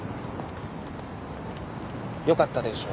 よかったでしょ？